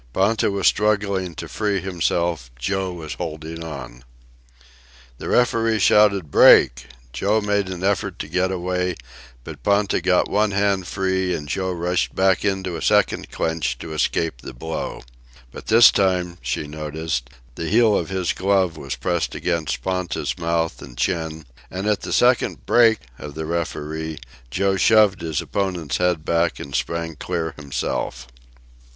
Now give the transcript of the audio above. Ponta was struggling to free himself, Joe was holding on. The referee shouted, "Break!" Joe made an effort to get away, but Ponta got one hand free and Joe rushed back into a second clinch, to escape the blow. But this time, she noticed, the heel of his glove was pressed against Ponta's mouth and chin, and at the second "Break!" of the referee, Joe shoved his opponent's head back and sprang clear himself.